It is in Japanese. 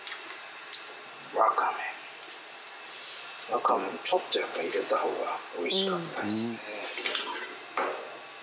ワカメもちょっとやっぱ入れた方がおいしかったですね。